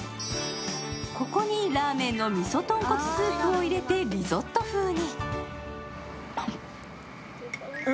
ここにラーメンの味噌とんこつスープを入れてリゾット風に。